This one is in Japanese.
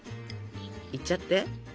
いっちゃって。